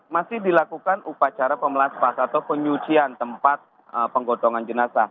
masih dilakukan upacara pemelas pas atau penyucian tempat penggotongan jenazah